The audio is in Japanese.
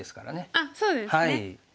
あっそうですね。